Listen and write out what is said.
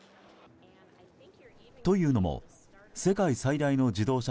というのも世界最大の自動車